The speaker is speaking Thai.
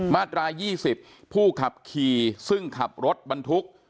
มาตราย๒๐ผู้ขับขี่ซึ่งขับรถบรรทุก